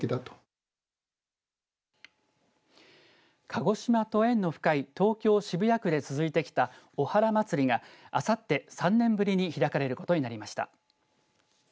鹿児島と縁の深い東京、渋谷区で続いてきたおはら祭があさって３年ぶりに開かれることになりました。